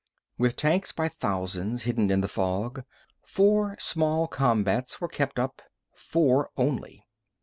With tanks by thousands hidden in the fog, four small combats were kept up, four only.